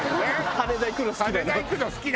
羽田行くの好きなのよ